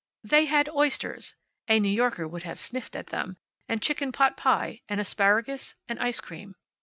They had oysters (a New Yorker would have sniffed at them), and chicken potpie, and asparagus, and ice cream.